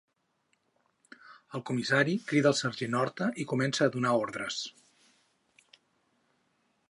El comissari crida el sergent Horta i comença a donar ordres.